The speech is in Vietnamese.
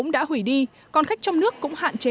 đã hủy đi còn khách trong nước cũng hạn chế